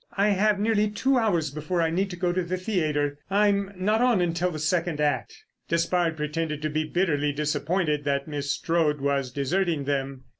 "I have nearly two hours before I need go to the theatre. I'm not on until the second act." Despard pretended to be bitterly disappointed that Miss Strode was deserting them.